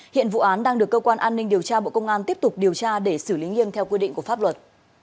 hiện vụ án đang được cơ quan an ninh điều tra bộ công an tiếp tục điều tra để xử lý nghiêm theo quy định của pháp luật